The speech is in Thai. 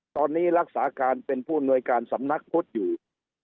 ตอนนี้รักษาการเป็นผู้อำนวยการสำนักพุทธอยู่